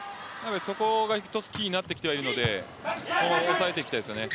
そこが一つキーになってきてはいるのでそこを押さえていきたいですよね。